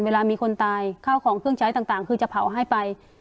เวลามีคนตายข้าวของเครื่องใช้ต่างคือจะเผาให้ไป